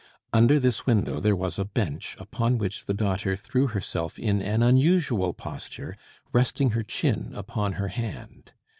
Under this window there was a bench, upon which the daughter threw herself in an unusual posture, resting her chin upon her hand.